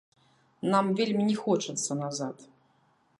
Нам вельмі не хочацца назад.